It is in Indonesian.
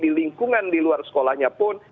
di lingkungan di luar sekolahnya pun